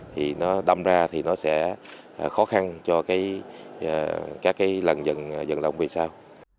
thì nó đâm ra thì nó sẽ khó khăn cho các cái lần dần dần về sau